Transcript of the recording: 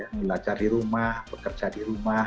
belajar di rumah bekerja di rumah